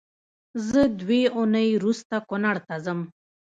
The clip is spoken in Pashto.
زه دوې اونۍ روسته کونړ ته ځم